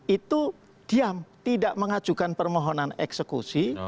itu diam tidak mengajukan permohonan eksekusi